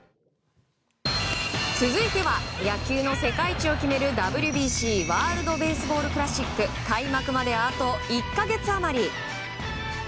続いては野球の世界一を決めるＷＢＣ・ワールド・ベースボール・クラシック開幕まであと１か月余り！